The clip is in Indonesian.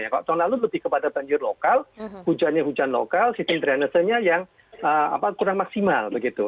kalau tahun lalu lebih kepada banjir lokal hujannya hujan lokal sistem drainasenya yang kurang maksimal begitu